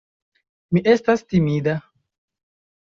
Mi estas timida.